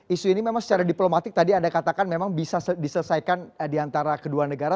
isu ini memang secara diplomatik tadi anda katakan memang bisa diselesaikan di antara kedua negara